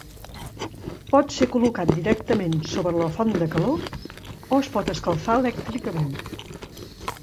Pot ser col·locat directament sobre la font de calor o es pot escalfar elèctricament.